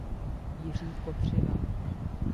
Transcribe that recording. Jiří Kopřiva.